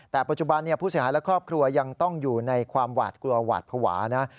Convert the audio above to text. แต่ปัจจุบันผู้เสียหายและครอบครัวยังต้องอยู่ในความหวาดกลัวหวาดภาวะนะ